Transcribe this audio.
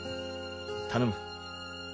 頼む。